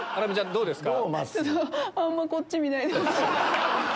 どうですか？